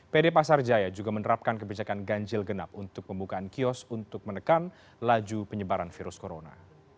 pd pasar jaya juga menerapkan kebijakan ganjil genap untuk pembukaan kios untuk menekan laju penyebaran virus corona